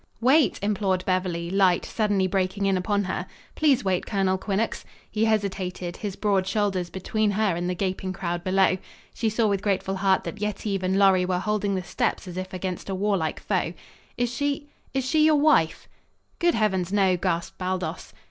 "Wait!" implored Beverly, light suddenly breaking in upon her. "Please wait, Colonel Quinnox." He hesitated, his broad shoulders between her and the gaping crowd below. She saw with grateful heart that Yetive and Lorry were holding the steps as if against a warlike foe. "Is she is she your wife?" "Good heavens, no!" gasped Baldos.